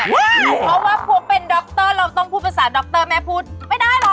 เพราะว่าพวกเป็นดรับเตอร์เราต้องพูดภาษาดรับเตอร์แม่พูดไม่ได้หรอก